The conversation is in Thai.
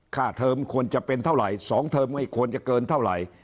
เทอมควรจะเป็นเท่าไหร่๒เทอมไม่ควรจะเกินเท่าไหร่